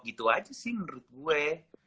gitu aja sih menurut gue